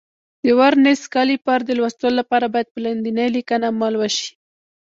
د ورنیز کالیپر د لوستلو لپاره باید په لاندې لیکنه عمل وشي.